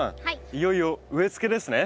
いよいよ植えつけですね。